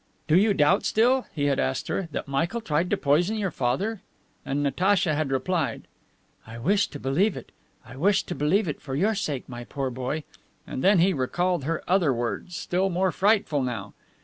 "Do you doubt still?" he had asked her, "that Michael tried to poison your father?" And Natacha had replied, "I wish to believe it! I wish to believe it, for your sake, my poor boy." And then he recalled her other words, still more frightful now!